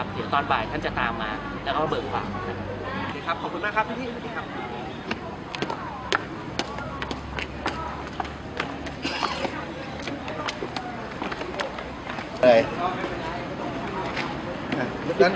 เดี๋ยวตอนบ่ายท่านจะตามมาแล้วก็จะเปิดข้อมูลของท่าน